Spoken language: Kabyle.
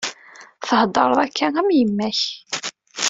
Theddṛeḍ akka am yemma-k.